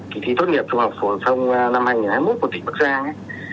kỳ thi tốt nghiệp trung học phổ thông năm hai nghìn hai mươi một của tỉnh bắc giang